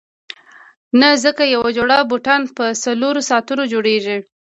نه ځکه یوه جوړه بوټان په څلورو ساعتونو جوړیږي.